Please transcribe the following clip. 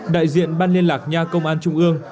đại diện ban liên lạc nha công an trung ương